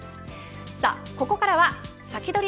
さあここからはサキドリ！